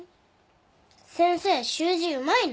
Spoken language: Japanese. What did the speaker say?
先生習字うまいね。